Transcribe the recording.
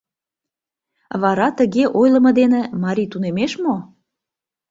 Вара тыге ойлымо дене марий тунемеш мо?